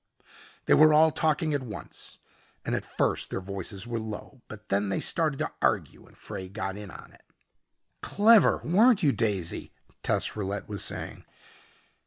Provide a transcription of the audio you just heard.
They were all talking at once and at first their voices were low but then they started to argue and Frey got in on it. "Clever, weren't you, Daisy?" Tess Rillette was saying.